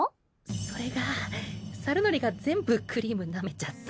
それがサルノリが全部クリームなめちゃって。